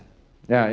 ini snb juga